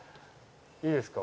いいですか？